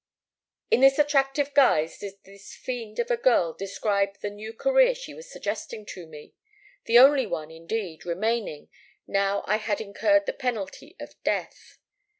"In this attractive guise did this fiend of a girl describe the new career she was suggesting to me, the only one, indeed, remaining, now I had incurred the penalty of death.